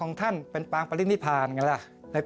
อ๋อออกไปอีก